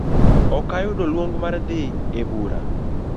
Okayudo luong mar dhi ebura